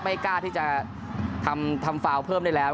ไม่กล้าที่จะทำฟาวเพิ่มได้แล้ว